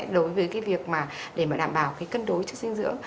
đối với cái việc mà để mà đảm bảo cái cân đối chất dinh dưỡng